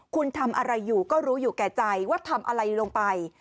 คุณทำอะไรอยู่ก็รู้อยู่แก่ใจว่าทำอะไรลงไป